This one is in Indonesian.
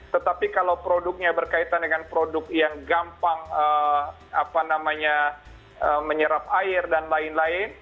tetapi kalau produknya berkaitan dengan produk yang gampang menyerap air dan lain lain